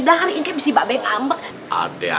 lalu kita cari